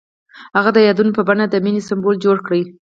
هغه د یادونه په بڼه د مینې سمبول جوړ کړ.